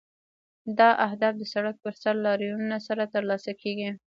دا اهداف د سړک پر سر لاریونونو سره ترلاسه کیږي.